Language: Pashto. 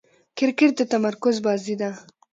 کرکټ د تمرکز بازي ده.